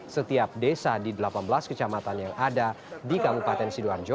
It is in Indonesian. setiap desa di delapan belas kecamatan yang ada di kabupaten sidoarjo